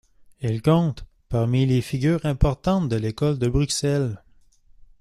Il compte parmi les figures importantes de l'École de Bruxelles.